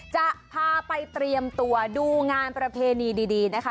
จะพาไปเตรียมตัวดูงานประเพณีดีนะคะ